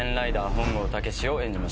本郷猛を演じました。